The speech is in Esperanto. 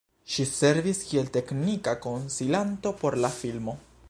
Ŝi servis kiel teknika konsilanto por la filmo.